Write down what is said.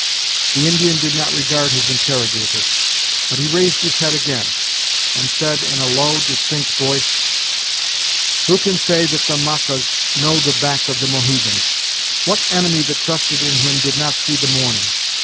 The Indian did not regard his interrogator, but he raised his head again, and said in a low, distinct voice: "Who can say that the Maqous know the back of the Mohegan? What enemy that trusted in him did not see the morning?